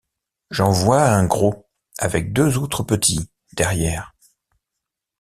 J’en vois un gros, avec deux autres petits, derrière.